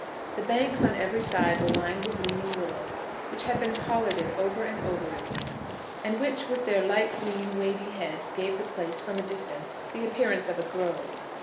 The banks on every side were lined with leaning willows, which had been pollarded over and over again, and which with their light green wavy heads gave the place, from a distance, the appearance of a grove.